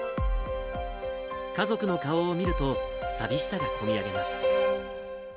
家族の顔を見ると、寂しさが込み上げます。